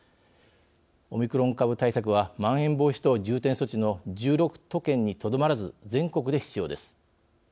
オミクロン株対策はまん延防止等重点措置の１６都県にとどまらず全国で必要です。